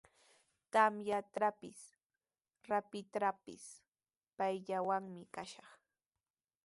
Tamyatrawpis, rapitrawpis payllawanmi kashaq.